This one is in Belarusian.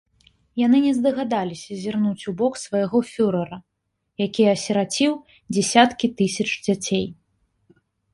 Яны не здагадаліся зірнуць у бок свайго фюрэра, які асіраціў дзесяткі тысяч дзяцей.